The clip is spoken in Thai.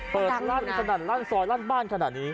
เปิดรั่นซอยรั่นบ้านขนาดนี้